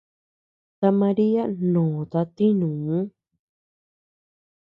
Ta María nòta tinuu.